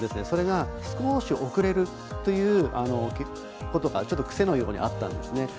それが、少し遅れるということが癖のようにあったんですね。